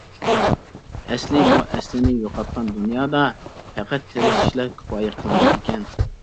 ئەسلى بۇ ئەسلىنى يوقاتقان دۇنيادا، پەقەت تىرىشىشلا كۇپايە قىلمايدىكەن.